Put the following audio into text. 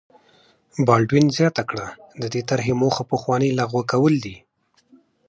بالډوین زیاته کړه د دې طرحې موخه پخوانۍ لغوه کول دي.